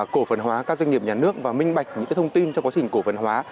cổ phần hóa các doanh nghiệp nhà nước và minh bạch những thông tin trong quá trình cổ phần hóa